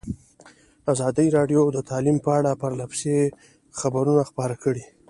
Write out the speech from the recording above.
ازادي راډیو د تعلیم په اړه پرله پسې خبرونه خپاره کړي.